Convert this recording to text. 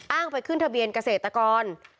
ไปขึ้นทะเบียนเกษตรกร